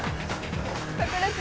「隠れて」